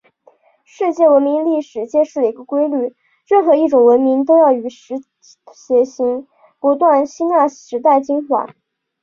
世界文明历史揭示了一个规律：任何一种文明都要与时偕行，不断吸纳时代精华。